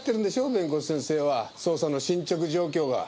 弁護士先生は捜査の進捗状況が。